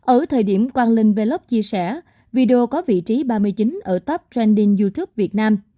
ở thời điểm hoàng linh về lốc chia sẻ video có vị trí ba mươi chín ở top trending youtube việt nam